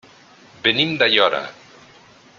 Venim d'Aiora.